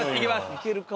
いけるか？